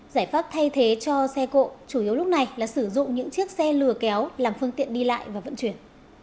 giải pháp thay thế cho xe cộ chủ yếu lúc này là sử dụng những chiếc xe lừa kéo làm phương tiện đi lại và vận chuyển